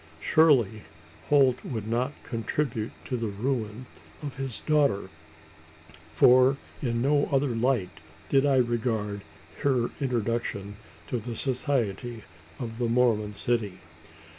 Surely Holt would not contribute to the ruin of his daughter for in no other light did I regard her introduction to the society of the Mormon city?